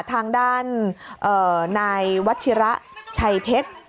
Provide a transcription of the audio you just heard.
ทางด้านนายวัชิระชัยเพชร